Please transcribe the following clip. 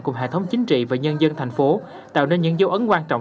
cùng hệ thống chính trị và nhân dân thành phố tạo nên những dấu ấn quan trọng